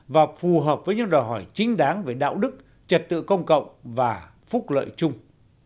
và phù hợp với những đòi hỏi chính đáng về đạo đức trật tự công cộng và phúc lợi chung